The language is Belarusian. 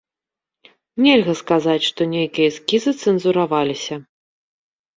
Нельга сказаць, што нейкія эскізы цэнзураваліся.